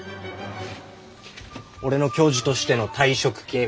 俺の教授としての退職金